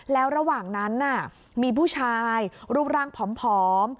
แล้วระหว่างนั้นมีผู้ชายรูปร่างผอม